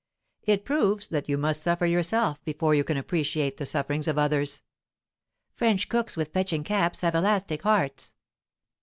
It proves that you must suffer yourself before you can appreciate the sufferings of others.' 'French cooks with fetching caps have elastic hearts.